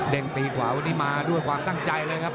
ตีขวาวันนี้มาด้วยความตั้งใจเลยครับ